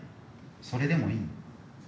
それでもいい？